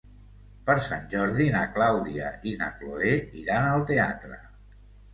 Per Sant Jordi na Clàudia i na Cloè iran al teatre.